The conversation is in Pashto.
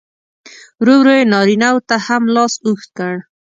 ورو ورو یې نارینه و ته هم لاس اوږد کړ.